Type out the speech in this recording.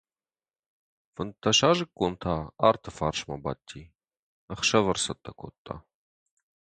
Фынддӕсазыккон та арты фарсмӕ бадти — ӕхсӕвӕр цӕттӕ кодта.